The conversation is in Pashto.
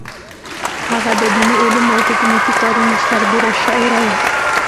هغه د دیني علومو او حکومتي کارونو سربېره شاعره وه.